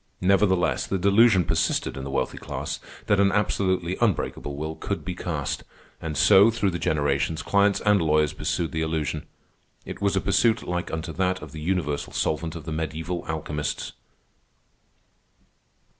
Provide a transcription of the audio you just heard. Nevertheless the delusion persisted in the wealthy class that an absolutely unbreakable will could be cast; and so, through the generations, clients and lawyers pursued the illusion. It was a pursuit like unto that of the Universal Solvent of the mediæval alchemists.